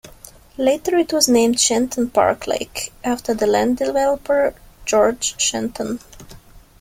Later it was renamed Shenton Park Lake, after the land developer George Shenton.